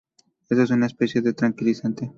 Eso es una especie de tranquilizante".